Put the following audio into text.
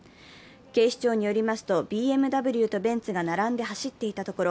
警視庁によりますとＢＭＷとベンツが並んで走っていたところ